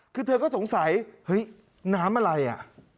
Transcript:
คือเธอก็สงสัยเฮ้ยน้ำอะไรอ่ะ